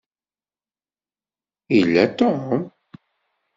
Yella Tom?